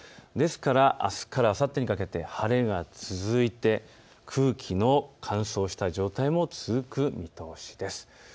ですから、あすからあさってにかけて晴れが続いて空気の乾燥した状態も続く見通しです。